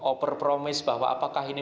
atau berpromisi bahwa apakah ini